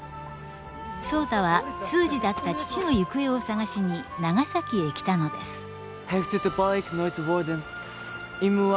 壮多は通詞だった父の行方を探しに長崎へ来たのです。